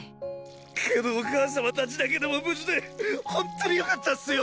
けどお母様たちだけでも無事でほんとによかったっすよ。